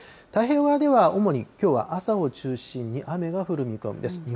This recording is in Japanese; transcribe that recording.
太平洋側では主にきょうは朝を中心に雨が降る見込みです。